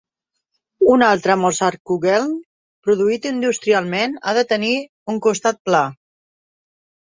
Un altre Mozartkugeln produït industrialment ha de tenir un costat pla.